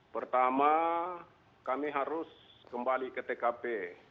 pertama kami harus kembali ke tkp